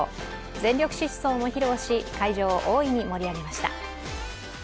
全力疾走も披露し、会場を大いに盛り上げました。